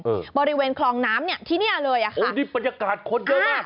บริเวณคลองน้ำเนี้ยที่เนี้ยเลยอ่ะค่ะโอ้นี่บรรยากาศคนเยอะมาก